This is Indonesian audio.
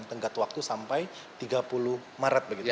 tenggat waktu sampai tiga puluh maret begitu ya